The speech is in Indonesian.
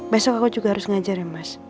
besok aku juga harus ngajar ya mas